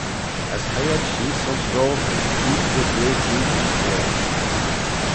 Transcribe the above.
As hoie ad sheese ayns roaghyn keead as lieh-cheead ayns roa.